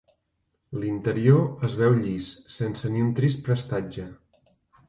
L'interior es veu llis, sense ni un trist prestatge.